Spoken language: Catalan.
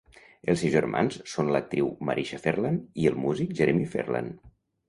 Els seus germans són l'actriu Marisha Ferland i el músic Jeremy Ferland.